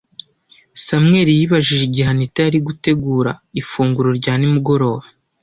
Samuel yibajije igihe Anita yari gutegura ifunguro rya nimugoroba.